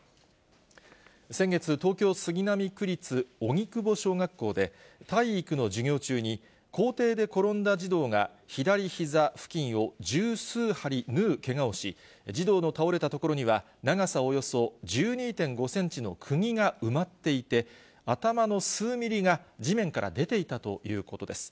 先月、東京・杉並区立荻窪小学校で、体育の授業中に、校庭で転んだ児童が左ひざ付近を十数針縫うけがをし、児童の倒れた所には、長さおよそ１２．５センチのくぎが埋まっていて、頭の数ミリが地面から出ていたということです。